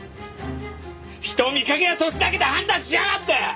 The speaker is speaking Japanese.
人を見かけや年だけで判断しやがって！